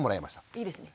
いいですね。